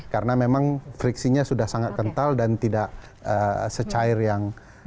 karena memang friksinya sudah sangat kental dan tidak secair yang